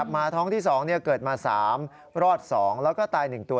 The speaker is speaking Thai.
มาท้องที่๒เกิดมา๓รอด๒แล้วก็ตาย๑ตัว